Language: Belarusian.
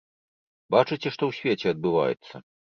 Бачыце, што ў свеце адбываецца?